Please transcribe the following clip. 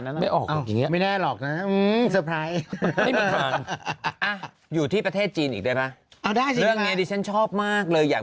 เนี่ยหรอกนะอุ้งสนาติอยู่ที่ประเทศจีนอีกหรอออกอย่างนี้ฉันชอบมากเลยอยาก